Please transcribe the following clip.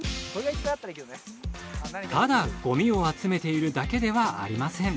ただごみを集めているだけではありません。